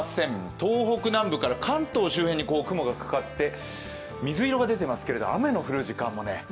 東北南部から関東周辺に雲がかかって水色が出てますけれど、雨が降る時間もね。